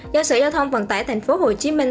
do sở giao thông vận tải thành phố hồ chí minh